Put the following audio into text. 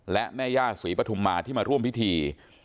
และแม่ย่าศรีปฐุมมาที่มาร่วมพิธี